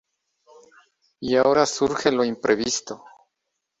Y ahora surge lo imprevisto.